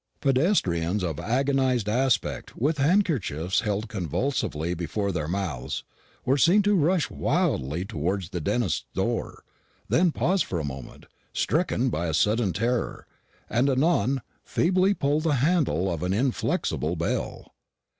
Pedestrians of agonised aspect, with handkerchiefs held convulsively before their mouths, were seen to rush wildly towards the dentist's door, then pause for a moment, stricken by a sudden terror, and anon feebly pull the handle of an inflexible bell.